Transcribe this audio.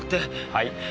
はい？